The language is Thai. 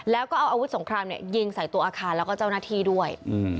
แล้วก็เอาอาวุธสงครามยิงใส่ตัวอาคารแล้วก็เจ้าหน้าที่ด้วย